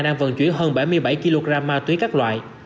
đang vận chuyển hơn bảy mươi bảy kg ma túy các loại